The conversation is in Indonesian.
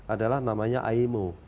adalah namanya imo